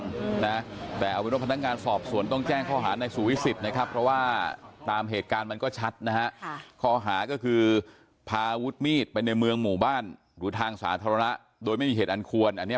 แค่นั้นเองไม่ใช่ว่าเรามาไหลนี่มาโมโหมาทำอะไรใส่กันอย่างนี้พี่